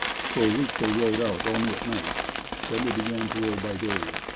For a week they rowed out only at night. Then they began to row by day.